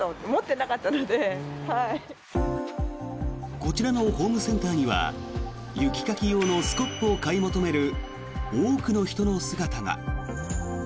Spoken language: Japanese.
こちらのホームセンターには雪かき用のスコップを買い求める多くの人の姿が。